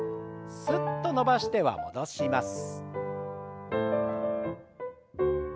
すっと伸ばしては戻します。